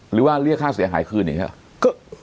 หรือว่าเรียกค่าเสียหายขึ้นอีกหรือ